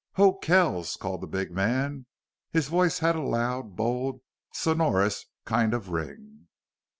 "Ho, Kells!" called the big man. His voice had a loud, bold, sonorous kind of ring.